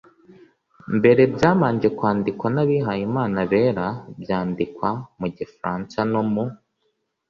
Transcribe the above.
mbere byabanje kwandikwa n'abihayimana bera, byandikwa mu gifaransa no mu